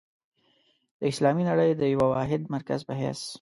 د اسلامي نړۍ د یوه واحد مرکز په حیث.